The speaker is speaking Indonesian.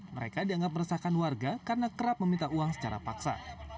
mereka dianggap meresahkan warga karena kerap meminta uang secara paksa